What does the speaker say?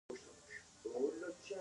د سپي د چیچلو لپاره زخم په څه شی ووینځم؟